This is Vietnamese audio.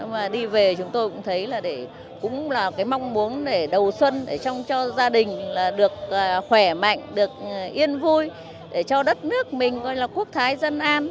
mà đi về chúng tôi cũng thấy là cũng là cái mong muốn để đầu xuân cho gia đình là được khỏe mạnh được yên vui để cho đất nước mình gọi là quốc thái dân an